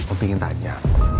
om ingin tanya